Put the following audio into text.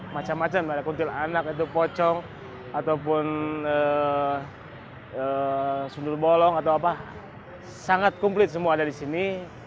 macam macam kuntilanak pocong ataupun sundur bolong sangat komplit semua ada di sini